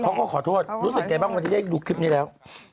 เขาก็ขอโทษรู้สึกไงบ้างวันที่ได้ดูคลิปนี้แล้ว